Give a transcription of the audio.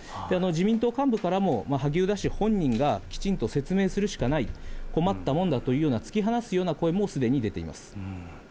自民党幹部からも萩生田氏本人がきちんと説明するしかない、困ったもんだというような、突き放すような声も、すでに出ています。